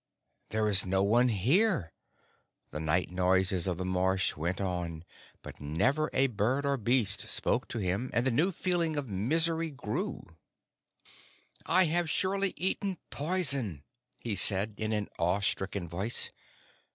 "There is no one here." The night noises of the marsh went on, but never a bird or beast spoke to him, and the new feeling of misery grew. "I have surely eaten poison," he said in an awe stricken voice.